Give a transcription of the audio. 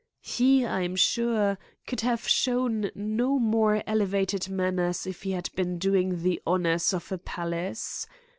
He, I am sure, could have shown no more elevated manners if he had been doing the honors of a palace.